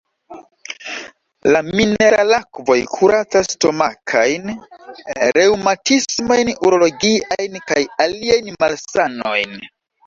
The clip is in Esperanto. La mineralakvoj kuracas stomakajn, reŭmatismajn, urologiajn kaj aliajn malsanojn.